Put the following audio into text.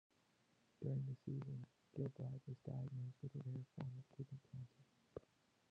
During the season, Gilbride was diagnosed with a rare form of Kidney Cancer.